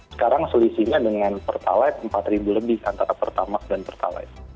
sekarang selisihnya dengan pertalite empat ribu lebih antara pertamax dan pertalite